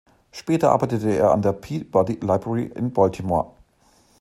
Später arbeitete er an der "Peabody Library" in Baltimore.